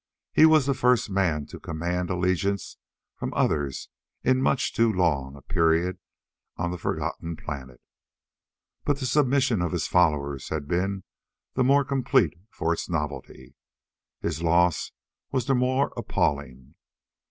He was the first man to command allegiance from others in much too long a period, on the forgotten planet, but the submission of his followers had been the more complete for its novelty. His loss was the more appalling.